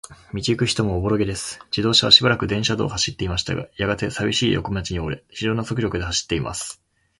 道ゆく人もおぼろげです。自動車はしばらく電車道を通っていましたが、やがて、さびしい横町に折れ、ひじょうな速力で走っています。